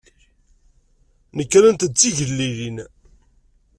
Nekrent-d d tigellilin.